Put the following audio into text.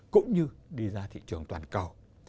cũng như đi ra thị trường toàn cầu